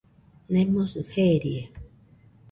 Nemosɨ jeerie.